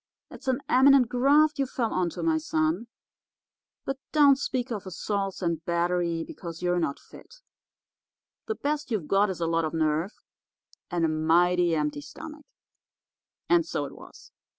It's an eminent graft you fell onto, my son. But don't speak of assaults and battery, because you're not fit. The best you've got is a lot of nerve and a mighty empty stomach.' And so it was.